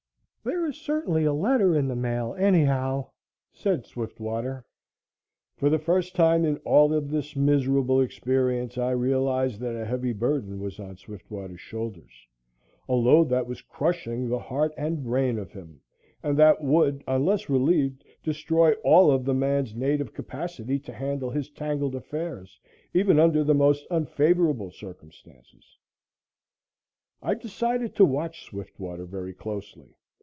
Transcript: "There is certainly a letter in the mail, anyhow," said Swiftwater. For the first time in all of this miserable experience I realized that a heavy burden was on Swiftwater's shoulders a load that was crushing the heart and brain of him and that would, unless relieved, destroy all of the man's native capacity to handle his tangled affairs, even under the most unfavorable circumstances. I decided to watch Swiftwater very closely.